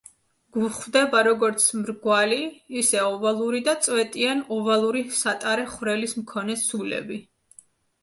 გვხვდება, როგორც მრგვალი, ისე ოვალური და წვეტიან-ოვალური სატარე ხვრელის მქონე ცულები.